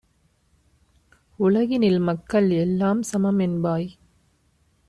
உலகினில் மக்கள் எல்லாம்சமம் என்பாய்;